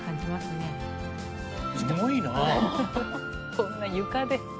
こんな床で。